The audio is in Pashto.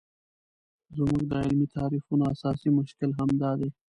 زموږ د علمي تعریفونو اساسي مشکل همدا دی.